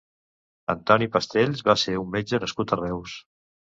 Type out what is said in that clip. Antoni Pastells va ser un metge nascut a Reus.